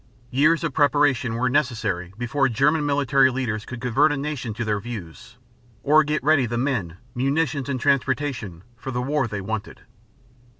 Years of preparation were necessary before German military leaders could convert a nation to their views, or get ready the men, munitions, and transportation for the war they wanted.